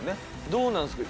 どうなんすか？